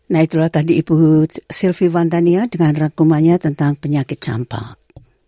nah itulah tadi ibu sylvie vandania dengan rangkumannya tentang penyakit campak